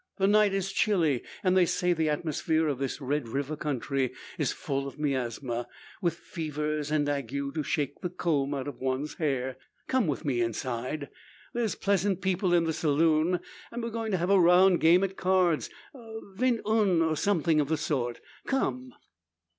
The night is chilly; and they say the atmosphere of this Red River country is full of miasma, with fevers and ague to shake the comb out of one's hair! Come with me inside! There's pleasant people in the saloon, and we're going to have a round game at cards vingt un, or something of the sort. Come!"